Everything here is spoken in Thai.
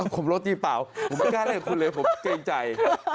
ผมรสจริงเปล่าผมไม่กล้าเล่นกับคุณเลยผมเกรงใจ